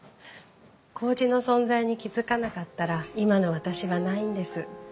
こうじの存在に気付かなかったら今の私はないんです。